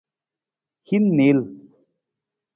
Hin niil.